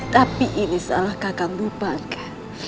tapi ini salah kakang bu pangga